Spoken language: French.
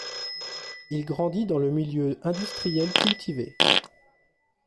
Il grandit dans un milieu industriel cultivé.